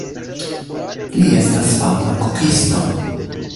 Li estas fama kukisto.